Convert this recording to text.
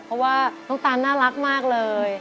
เพราะว่าน้องตานน่ารักมากเลย